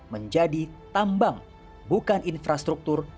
menjadi tambang bukan infrastruktur